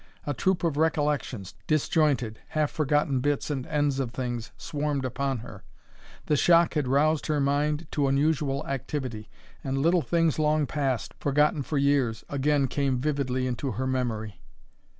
A troop of recollections, disjointed, half forgotten bits and ends of things swarmed upon her. The shock had roused her mind to unusual activity, and little things long past, forgotten for years, again came vividly into her memory.